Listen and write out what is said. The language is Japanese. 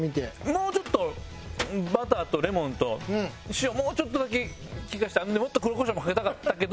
もうちょっとバターとレモンと塩をもうちょっとだけ効かせてもっと黒胡椒もかけたかったけど。